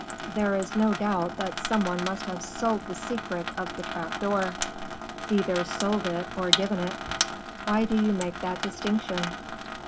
"There is no doubt that some one must have sold the secret of the trap door." "Either sold it or given it." "Why do you make that distinction?"